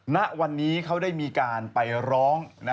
ณวันนี้เขาได้มีการไปร้อง